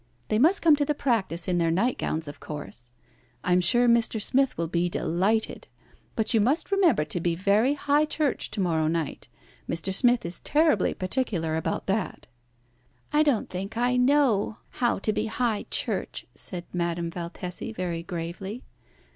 They must come to the practice in their nightgowns, of course. I am sure Mr. Smith will be delighted. But you must remember to be very high church to morrow night. Mr. Smith is terribly particular about that." "I don't think I know how to be High Church," said Madame Valtesi very gravely.